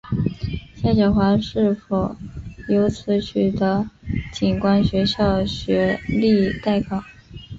夏晓华是否由此取得警官学校学历待考。